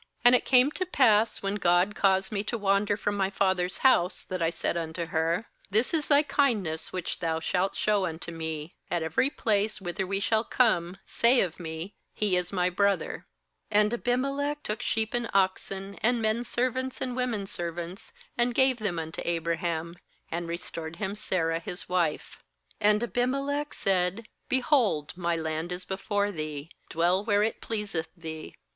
^And it came to pass, when God caused me to wan der from my father's house, that I said unto her: This is thy kindness which thou shalt show unto me; at every place whither we shall come, say of me: He is my brother.' 14And Abimelech took sheep and oxen, and men servants and women servants, and gave them unto Abraham, and restored him Sarah his wife. 15And Abimelech said: 'Behold, my land is before thee: dwell where it pleaseth thee.'